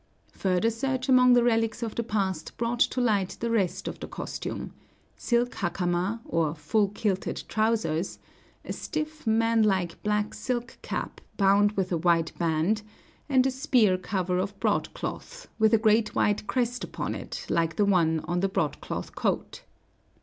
Further search among the relics of the past brought to light the rest of the costume: silk hakama, or full kilted trousers; a stiff, manlike black silk cap bound with a white band; and a spear cover of broadcloth, with a great white crest upon it, like the one on the broadcloth coat.